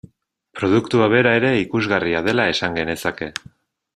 Produktua bera ere ikusgarria dela esan genezake.